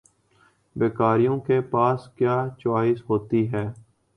بھکاریوں کے پاس کیا چوائس ہوتی ہے؟